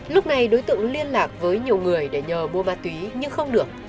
lúc này đối tượng liên lạc với nhiều người để nhờ mua ma túy nhưng không được